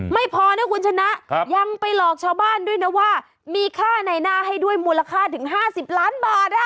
ไม่พอนะคุณชนะยังไปหลอกชาวบ้านด้วยนะว่ามีค่าในหน้าให้ด้วยมูลค่าถึง๕๐ล้านบาท